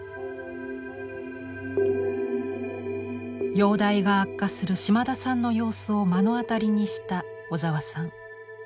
容体が悪化する島田さんの様子を目の当たりにした小沢さん。